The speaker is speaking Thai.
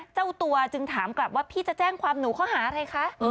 เจ้าตัวจึงถามกลับว่าพี่จะแจ้งความหนูข้อหาอะไรคะ